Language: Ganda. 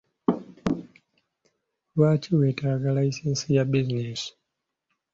Lwaki weetaaga layisinsi ya bizinensi?